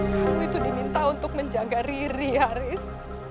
kamu itu diminta untuk menjaga riri haris